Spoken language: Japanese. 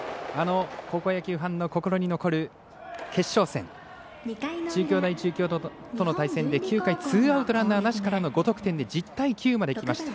高校野球ファンの心に残る決勝戦、中京大中京との対戦で９回ツーアウトランナーなしからの５得点で１０対９までいきました。